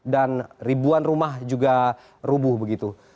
dan ribuan rumah juga rubuh begitu